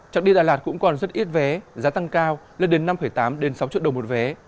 trạng đi đà lạt cũng còn rất ít vé giá tăng cao lên đến năm tám sáu triệu đồng một vé